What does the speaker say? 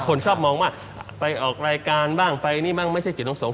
คนชอบมองว่าไปออกรายการบ้างไปนี่บ้างไม่ใช่จิตของสงฆ